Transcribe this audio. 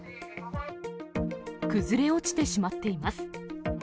崩れ落ちてしまっています。